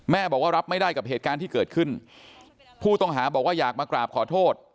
บอกว่ารับไม่ได้กับเหตุการณ์ที่เกิดขึ้นผู้ต้องหาบอกว่าอยากมากราบขอโทษ